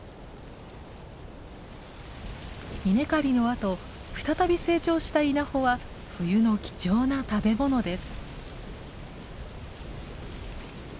稲刈りのあと再び成長した稲穂は冬の貴重な食べ物です。